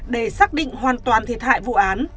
để xác định hoàn toàn thiệt hại vụ án